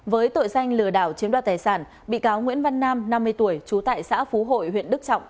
với tội danh lừa đảo chiếm đoạt tài sản bị cáo nguyễn văn nam năm mươi tuổi trú tại xã phú hội huyện đức trọng